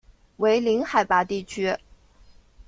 为零海拔地区。